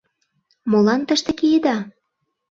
Молан тыште киеда?